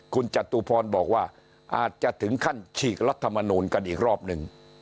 คุณจตุพรบอกว่าอาจจะถึงขั้นฉีกรัฐมนูลกันอีกรอบหนึ่ง